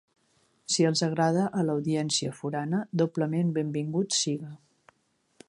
Si els agrada a l'audiència forana, doblement benvingut siga.